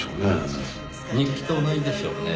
日記と同じでしょうねぇ。